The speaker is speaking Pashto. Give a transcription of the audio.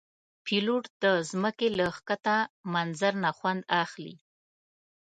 پیلوټ د ځمکې له ښکته منظر نه خوند اخلي.